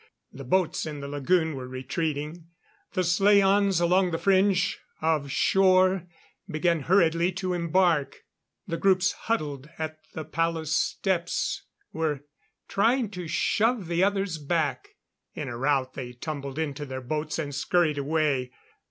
The boats in the lagoon were retreating. The slaans along the fringe of shore began hurriedly to embark. The groups huddled at the palace steps were trying to shove the others back. In a rout they tumbled into their boats and scurried away.